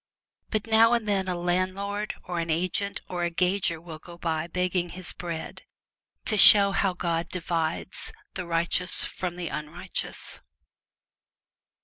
But now and then a landlord or an agent or a gauger will go by begging his bread, to show how God divides the righteous from _ the unrighteous.